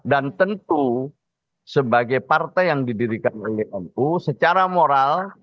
dan tentu sebagai partai yang didirikan oleh nu secara moral